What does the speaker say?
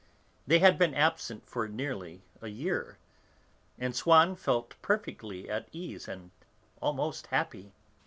They had been absent for nearly a year, and Swann felt perfectly at ease and almost happy.